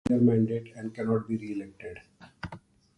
The judges serve a nine years mandate and cannot be re-elected.